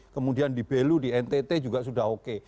kemudian di belu di ntt juga sudah oke